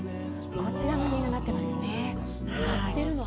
こちらの実がなっていますね。